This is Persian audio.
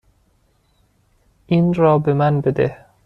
این را به من بده.